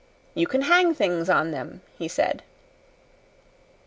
"You can hang things on them," he said.